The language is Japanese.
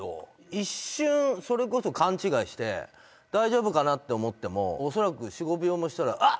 一瞬それこそ勘違いして大丈夫かなって思っても恐らく４５秒もしたらあっ！